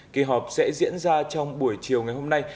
kỳ họp sẽ diễn ra trong buổi chiều ngày hôm nay